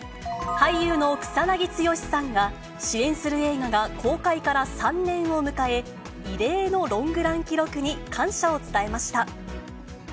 俳優の草なぎ剛さんが主演する映画が公開から３年を迎え、異例のロングラン記録に感謝を伝えました。